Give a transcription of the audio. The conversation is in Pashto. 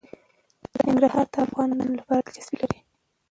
ننګرهار د افغان ځوانانو لپاره دلچسپي لري.